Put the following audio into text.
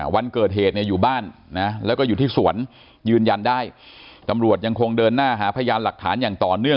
วันเกิดเหตุเนี่ยอยู่บ้านนะแล้วก็อยู่ที่สวนยืนยันได้ตำรวจยังคงเดินหน้าหาพยานหลักฐานอย่างต่อเนื่อง